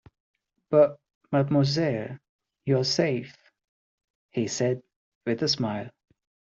"But, mademoiselle, you are safe," he said, with a smile.